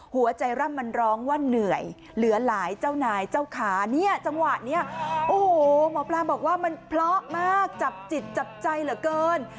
หัวใจร่ำมันร้องว่าเหนื่อยเหลือหลายเจ้านายเจ้าขาเนี่ยจังหวะนี้โอ้โหหมอปลาบอกว่ามันเพราะมากจับจิตจับใจเหลือเกิน